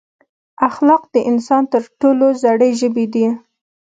اخلاق د انسان تر ټولو زړې ژبې ده.